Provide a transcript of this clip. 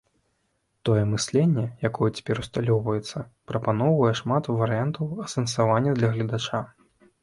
Тое мысленне, якое цяпер усталёўваецца, прапаноўвае шмат варыянтаў асэнсавання для гледача.